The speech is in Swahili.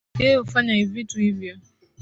yeye hufanya vitu hivyo